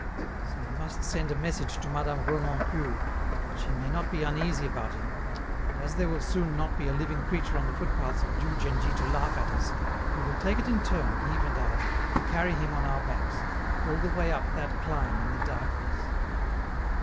So we must send a message to Madame Renoncule, that she may not be uneasy about him, and as there will soon not be a living creature on the footpaths of Diou djen dji to laugh at us, we will take it in turn, Yves and I, to carry him on our backs, all the way up that climb in the darkness.